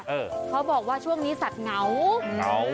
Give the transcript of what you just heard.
เขาบอกว่าช่วงนี้สัตว์เหงาเหงา